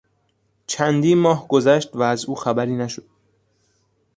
چندین ماه گذشت و از او خبری نشد.